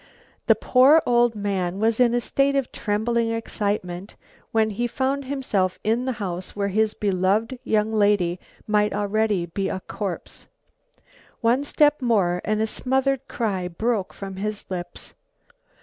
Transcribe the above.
The poor old man was in a state of trembling excitement when he found himself in the house where his beloved young lady might already be a corpse. One step more and a smothered cry broke from his lips.